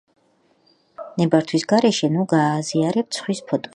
ნებართვის გარეშე ნუ გააზიარებთ სხვის ფოტოებს.